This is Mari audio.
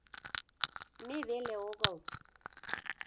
— Ме веле огыл.